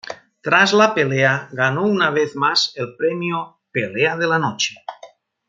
Tras la pelea, ganó una vez más el premio "Pelea de la Noche".